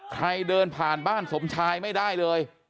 ใครเดินผ่านบ้านสมชายไม่ได้เลย